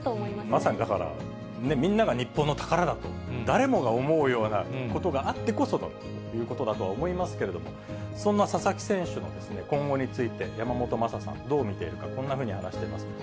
まさにだから、みんなが日本の宝だと、誰もが思うようなことがあってこそということだと思いますけれども、そんな佐々木選手の今後について、山本昌さん、どう見ているか、こんなふうに話しています。